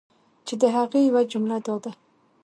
چی د هغی یوه جمله دا ده